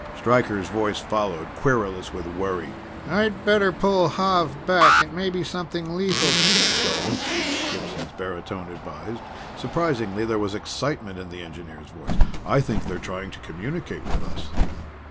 Stryker's voice followed, querulous with worry: "I'd better pull Xav back. It may be something lethal." "Don't," Gibson's baritone advised. Surprisingly, there was excitement in the engineer's voice. "I think they're trying to communicate with us."